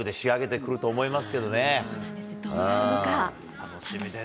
楽しみです。